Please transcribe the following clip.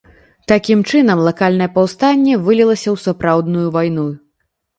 Такім чынам лакальнае паўстанне вылілася ў сапраўдную вайну.